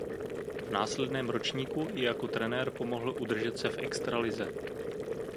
V následném ročníku ji jako trenér pomohl udržet se v extralize.